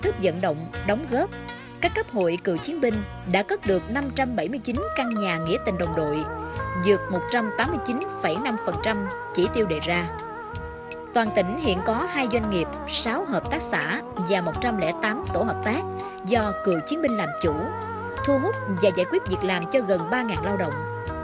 có hai doanh nghiệp sáu hợp tác xã và một trăm linh tám tổ hợp tác do cựu chiến binh làm chủ thu hút và giải quyết việc làm cho gần ba lao động